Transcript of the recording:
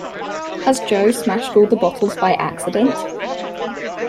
Has Jo smashed all the bottles by accident?